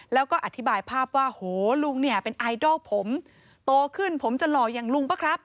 แล้วก็อธิบายภาพว่าโหลุงเนี่ยเป็นไอดอลผมโตขึ้นผมจะหล่ออย่างลุงป่ะครับ